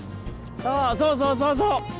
そうそうそうそうそう！